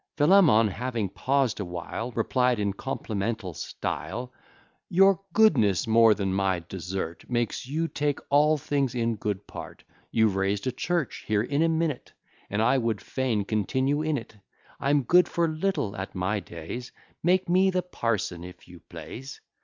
Philemon, having paused a while, Replied in complimental style: "Your goodness, more than my desert, Makes you take all things in good part: You've raised a church here in a minute, And I would fain continue in it; I'm good for little at my days, Make me the parson if you please."